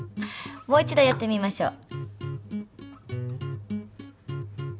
もう一度やってみましょう。